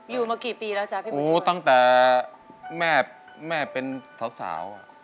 อยู่มากี่ปีแล้วจ้ะพี่ผู้ช่วยตั้งแต่แม่เป็นสาว